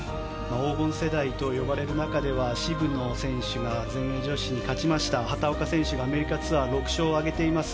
黄金世代と呼ばれる中では渋野選手が全英女子で勝ちました畑岡選手がアメリカツアー６勝を挙げています。